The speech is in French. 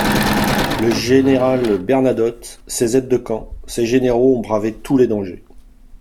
Le général Bernadotte, ses aides-de-camp, ses généraux ont bravé tous les dangers.